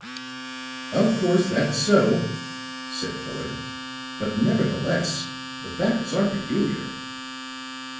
"Of course that's so," said Fuller, "but nevertheless the facts are peculiar."